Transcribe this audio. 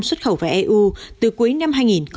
xuất khẩu vào eu từ cuối năm hai nghìn một mươi chín